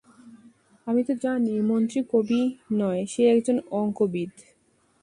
আমি তো জানি মন্ত্রী কবি নয়, সে একজন অঙ্কবিদ।